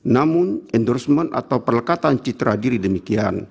namun endorsement atau perlekatan citra diri demikian